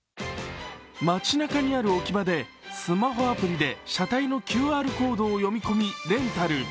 街なかにある置き場でスマホアプリで車体のＱＲコードを読み込み、レンタル。